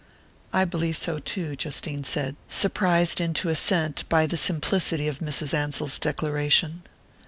"I believe so too," Justine said, surprised into assent by the simplicity of Mrs. Ansell's declaration.